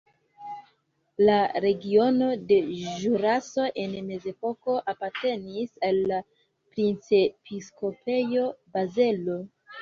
La regiono de Ĵuraso en mezepoko apartenis al la Princepiskopejo Bazelo.